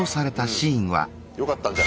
よかったんじゃない？